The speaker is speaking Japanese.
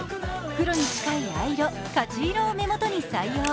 黒に近い藍色、勝色を目元に採用。